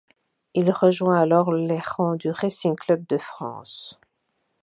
Il rejoint alors les rangs du Racing Club de France.